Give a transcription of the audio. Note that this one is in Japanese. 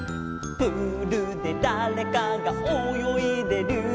「プールでだれかがおよいでる」